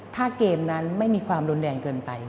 ถ้าเกมนั้นไม่มีความรุนแรงเกินไป